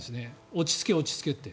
落ち着け、落ち着けって。